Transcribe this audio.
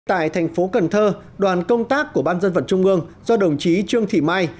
tại thành phố cần thơ đoàn công tác của ban dân vận trung ương do đồng chí trương thị mai